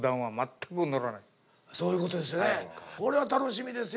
そういうことですよね。